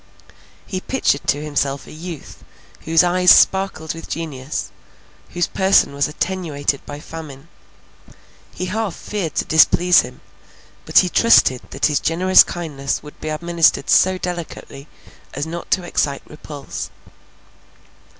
He pictured to himself a youth, whose eyes sparkled with genius, whose person was attenuated by famine. He half feared to displease him; but he trusted that his generous kindness would be administered so delicately, as not to excite repulse.